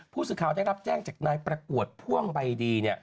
ผู้สื่อข่าวได้รับแจ้งจากนายประกวดพ่วงใบดี